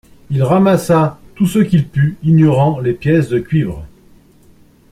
Il ramassa tout ce qu’il put, ignorant les pièces de cuivre